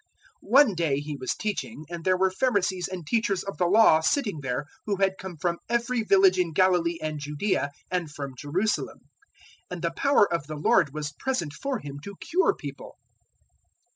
005:017 One day He was teaching, and there were Pharisees and teachers of the Law sitting there who had come from every village in Galilee and Judaea and from Jerusalem. And the power of the Lord was present for Him to cure people.